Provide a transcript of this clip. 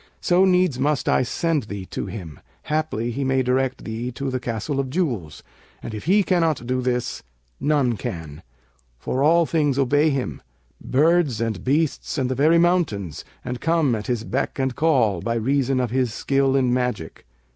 So needs must I send thee to him; haply he may direct thee to the Castle of Jewels; and, if he cannot do this, none can; for all things obey him, birds and beasts and the very mountains and come at his beck and call, by reason of his skill in magic.